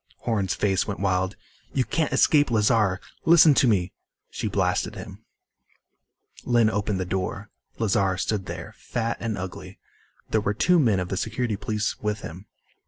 Horn's face went wild. "You can't escape Lazar! Listen to me " She blasted him. Lynn opened the door. Lazar stood there, fat and ugly. There were two men of the Security Police with him.